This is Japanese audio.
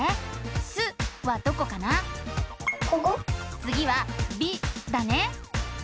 つぎは「び」だね。